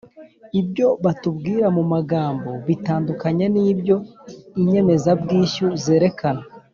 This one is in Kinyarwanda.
Ibyo batubwira mu magambo bitandukanye nibyo Inyemezabwishyu zerekana